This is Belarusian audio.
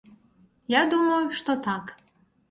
Я думаю, што так.